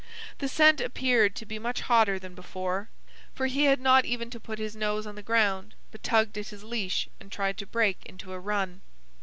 The scent appeared to be much hotter than before, for he had not even to put his nose on the ground, but tugged at his leash and tried to break into a run.